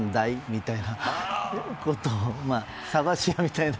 みたいなことを。